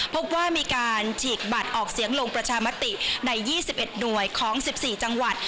พบว่ามีการฉีกบัตรออกเสียงลงประชามติใน๒๑หน่วยของ๑๔จังหวัด